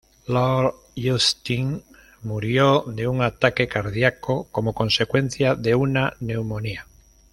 Lord Austin murió de un ataque cardiaco como consecuencia de una neumonía.